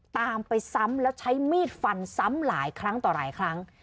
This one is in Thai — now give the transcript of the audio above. ตามไปซ้ำแล้วใช้มีดฟันซ้ำหลายครั้งต่อหลายครั้ง